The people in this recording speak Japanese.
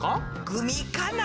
グミかな。